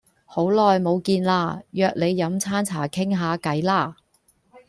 好耐冇見喇約你飲餐茶傾下計啦